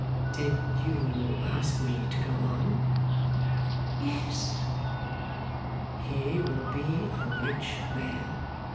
'Did you ask me to go on?' 'Yes.' 'He will be a rich man.